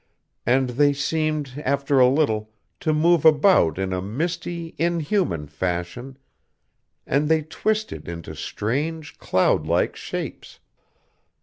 And they seemed, after a little, to move about in a misty, inhuman fashion; and they twisted into strange, cloud like shapes.